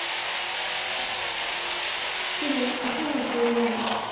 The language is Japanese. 白１の十四。